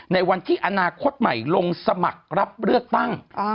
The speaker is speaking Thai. ในวันที่อนาคตใหม่ลงสมัครรับเลือกตั้ง